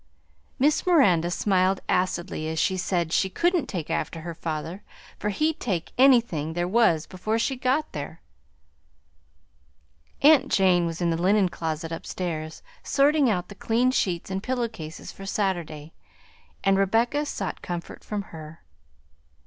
Miss Miranda smiled acidly as she said she couldn't take after her father, for he'd take any thing there was before she got there! Aunt Jane was in the linen closet upstairs, sorting out the clean sheets and pillow cases for Saturday, and Rebecca sought comfort from her.